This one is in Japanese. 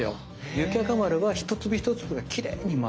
雪若丸は一粒一粒がきれいにまとう。